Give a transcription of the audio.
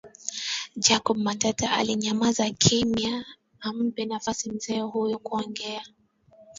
Jacob Matata alinyamaza kimya ili ampe nafasi mzee huyo ya kuongea